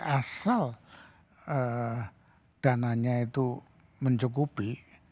asal dananya itu mencukupi